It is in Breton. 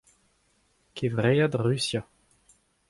Kevread Rusia.